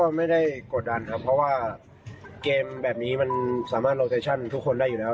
ก็ไม่ได้กดดันครับเพราะว่าเกมแบบนี้มันสามารถโลเคชั่นทุกคนได้อยู่แล้ว